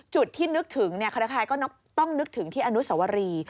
จุดที่นึกถึงใครก็ต้องนึกถึงที่อนุสวรี